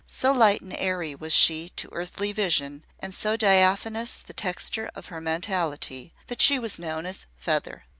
So light and airy was she to earthly vision and so diaphanous the texture of her mentality that she was known as "Feather."